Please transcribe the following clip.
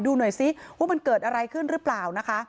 ดูหน่อยซิว่ามันเกิดอะไรขึ้นหรือเปล่านะคะ